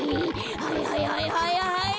はいはいはいはいはい！